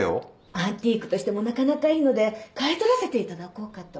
アンティークとしてもなかなかいいので買い取らせていただこうかと。